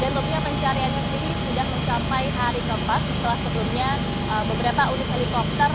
dan tentunya pencariannya sendiri sudah mencapai hari keempat setelah sebelumnya beberapa unit helikopter